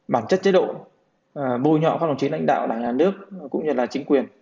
bản chất chế độ bôi nhọ các lòng chính lãnh đạo đảng nhà nước cũng như chính quyền